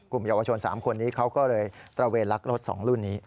เยาวชน๓คนนี้เขาก็เลยตระเวนลักรถ๒รุ่นนี้